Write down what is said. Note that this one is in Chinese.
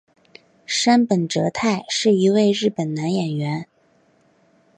杉本哲太是一位日本男演员。